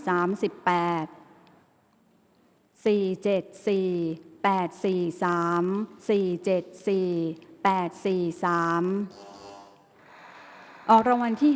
ข่าวแถวรับทีวีรายงาน